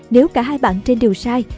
nếu cả hai bản trên đều sai